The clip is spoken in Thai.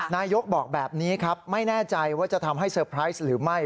นายกบอกแบบนี้ครับไม่แน่ใจว่าจะทำให้เซอร์ไพรส์หรือไม่